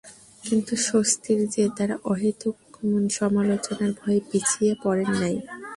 কিন্তু স্বস্তির যে, তাঁরা অহেতুক তেমন সমালোচনার ভয়ে পিছিয়ে পড়েন নাই।